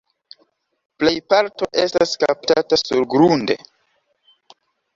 Plej parto estas kaptata surgrunde.